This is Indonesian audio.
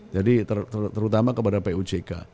jadi terutama kepada pujk